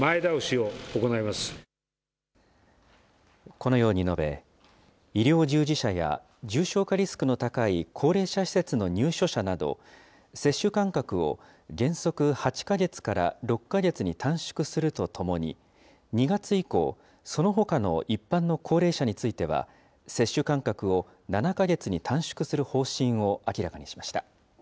このように述べ、医療従事者や、重症化リスクの高い高齢者施設の入所者など、接種間隔を原則８か月から６か月に短縮するとともに、２月以降、そのほかの一般の高齢者については、接種間隔を７か月に短縮する方針を明らかにしました。